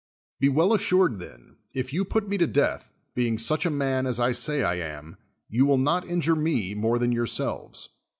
Be well assured, then, if you put me to death, being such a man as I say I am, you will not injiifc me more than yourselves.